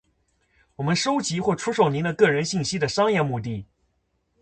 我们收集或出售您的个人信息的商业目的；